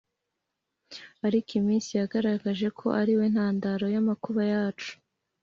ariko iminsi yagaragaje ko ari we ntandaro y'amakuba yacu.